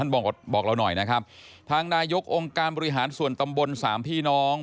บอกเราหน่อยนะครับทางนายกองค์การบริหารส่วนตำบลสามพี่น้อง